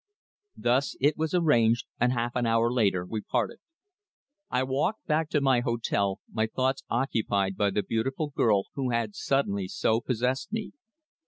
Thus it was arranged, and half an hour later we parted. I walked back to my hotel, my thoughts occupied by the beautiful girl who had suddenly so possessed me.